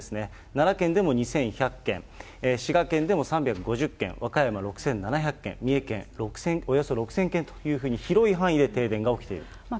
奈良県でも２１００軒、滋賀県でも３５０軒、和歌山６７００軒、三重県、およそ６０００軒と広い範囲で停電が起きているということです。